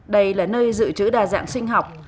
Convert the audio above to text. đây là nơi dự trữ đa dạng sinh học